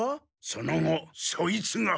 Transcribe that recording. その後そいつが。